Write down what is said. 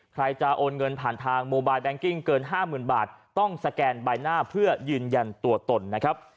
ใครจะโอนเงินผ่านทางโมบายแบงกิ้งเกิน๕๐๐๐บาทต้องสแกนใบหน้าเพื่อยืนยันตัวตนนะครับ